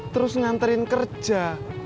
terus nganterin kerja